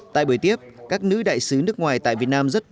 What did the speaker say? tại buổi tiếp các nữ đại sứ nước ngoài tại việt nam rất vui mừng